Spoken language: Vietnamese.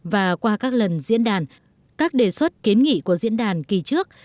và qua các lần diễn đàn các đề xuất kiến nghị của diễn đàn kỳ trước